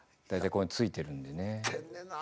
大体ここに付いてるんでね。